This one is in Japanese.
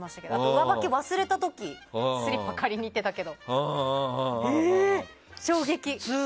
上履き忘れた時スリッパ借りに行ってたけど衝撃。